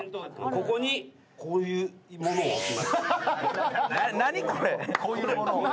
ここにこういうものを置きました。